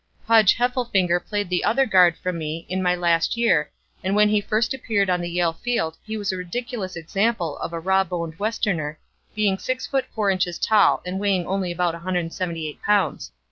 "Pudge Heffelfinger played the other guard from me in my last year and when he first appeared on the Yale field he was a ridiculous example of a raw boned Westerner, being 6 feet 4 inches tall and weighing only about 178 pounds.